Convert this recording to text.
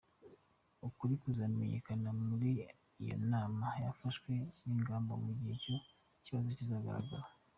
Ukuri kuzamenyekanira muri iyo nama hanafatwe n’ingamba, mu gihe icyo kibazo kizagaragara.